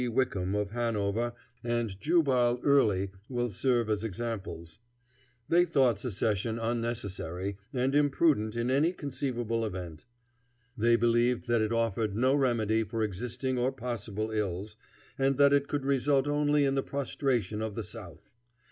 Wickham, of Hanover, and Jubal Early will serve as examples. They thought secession unnecessary and imprudent in any conceivable event. They believed that it offered no remedy for existing or possible ills, and that it could result only in the prostration of the South.